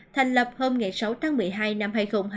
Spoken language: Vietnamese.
thành lập hôm sáu tháng một mươi hai năm hai nghìn hai mươi một